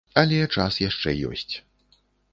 Але час яшчэ ёсць.